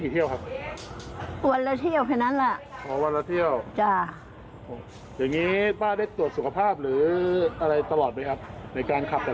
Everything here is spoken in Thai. เขาก็ห้ามอยู่